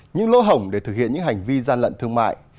những lỗ hổng để thực hiện những hành vi gian lận thương mại